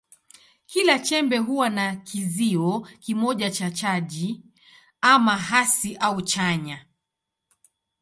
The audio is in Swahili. Kila chembe huwa na kizio kimoja cha chaji, ama hasi au chanya.